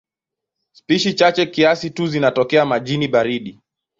Spishi chache kiasi tu zinatokea majini baridi.